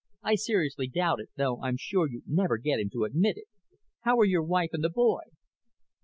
"I seriously doubt it, though I'm sure you'd never get him to admit it. How are your wife and the boy?"